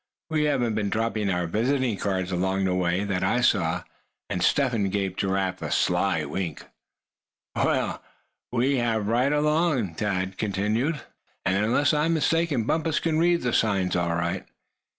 We haven't been dropping our visiting cards along the way, that I saw," and Step Hen gave Giraffe a sly wink. "Well, we have, right along," Thad continued, "and unless I'm much mistaken, Bumpus can read the signs all right.